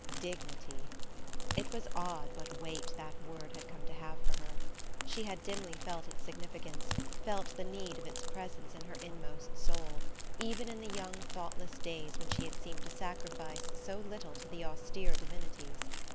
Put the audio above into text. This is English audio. Dignity! It was odd what weight that word had come to have for her. She had dimly felt its significance, felt the need of its presence in her inmost soul, even in the young thoughtless days when she had seemed to sacrifice so little to the austere divinities.